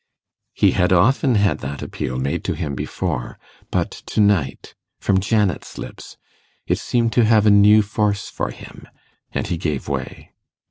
He had often had that appeal made to him before, but to night from Janet's lips it seemed to have a new force for him, and he gave way.